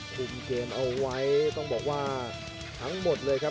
คุมเกมเอาไว้ต้องบอกว่าทั้งหมดเลยครับ